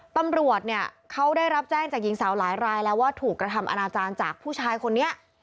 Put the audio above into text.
ตำรวจเนี่ยเขาได้รับแจ้งจากหญิงสาวหลายรายแล้วว่าถูกกระทำอนาจารย์จากผู้ชายคนนี้